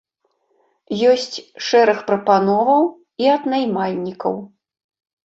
Ёсць шэраг прапановаў і ад наймальнікаў.